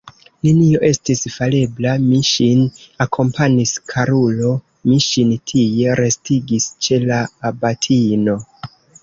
Nenio estis farebla, mi ŝin akompanis, karulo, mi ŝin tie restigis ĉe la abatino!